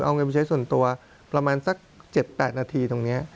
เอาเงินไปใช้ส่วนตัวประมาณสัก๗๘นาทีตรงนี้